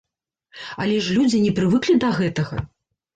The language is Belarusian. Але ж людзі не прывыклі да гэтага!